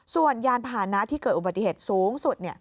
ส่วนยานผ่านนะที่เกิดอุบัติเหตุสูงสุด